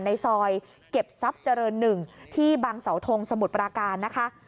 ในซอยเก็บทรัพย์เจริญ๑ที่บางเสาทงสมุทรปราการนะคะ